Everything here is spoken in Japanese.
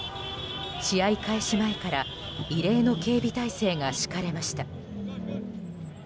試合開始前から異例の警備態勢が敷かれました。